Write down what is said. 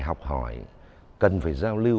học hỏi cần phải giao lưu